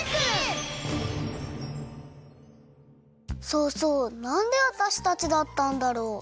そうそうなんでわたしたちだったんだろう？